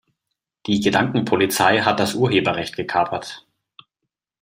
Die Gedankenpolizei hat das Urheberrecht gekapert.